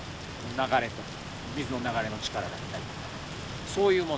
流れとか水の流れの力だったりとかそういうもの。